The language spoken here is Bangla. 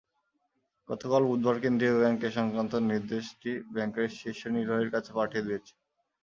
গতকাল বুধবার কেন্দ্রীয় ব্যাংক এ-সংক্রান্ত নির্দেশটি ব্যাংকের শীর্ষ নির্বাহীর কাছে পাঠিয়ে দিয়েছে।